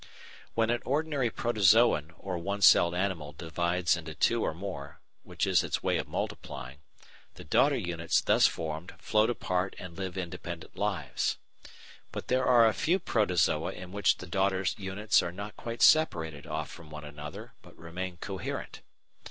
When an ordinary Protozoon or one celled animal divides into two or more, which is its way of multiplying, the daughter units thus formed float apart and live independent lives. But there are a few Protozoa in which the daughter units are not quite separated off from one another, but remain coherent.